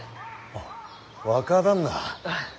あっ若旦那。